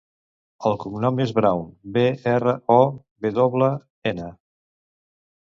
El cognom és Brown: be, erra, o, ve doble, ena.